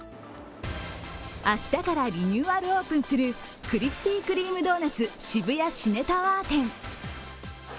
明日からリニューアルオープンするクリスピー・クリーム・ドーナツ渋谷シネタワー店。